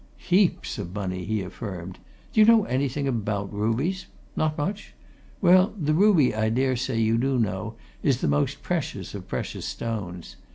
"Heaps of money!" he affirmed. "Do you know anything about rubies? Not much? well, the ruby, I daresay you do know, is the most precious of precious stones.